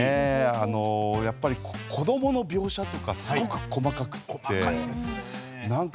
やっぱり、子どもの描写とかすごく細かくて。